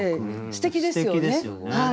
すてきですよね。